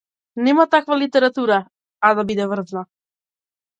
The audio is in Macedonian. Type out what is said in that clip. Нема таква литература, а да биде врвна.